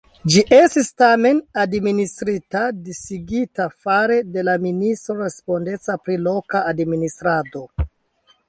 Ĝi estis tamen, administrita disigita fare de la ministro respondeca pri la loka administrado.